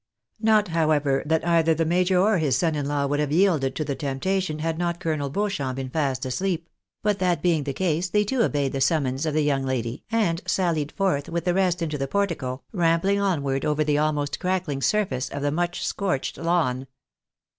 Not, however, that either the major or his son in law would have yielded to the temptation had not Colonel Beauchamp been still fast asleep ; but that being the case, they too obeyed the summons of the young lady, and sallied forth with the rest into the portico, rambling onward over the almost crackling surface of the much scorched lawn.